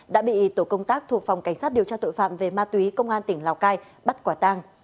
đã bị tổ công tác thuộc phòng cảnh sát điều tra tội phạm về ma túy công an tỉnh lào cai bắt quả tang